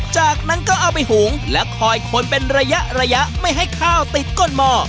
จากนั้นก็เอาไปหุงและคอยคนเป็นระยะระยะไม่ให้ข้าวติดก้นหม้อ